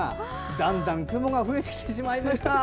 だんだん雲が増えてきてしまいました。